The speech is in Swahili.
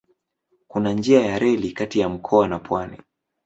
Kuna njia ya reli kati ya mkoa na pwani.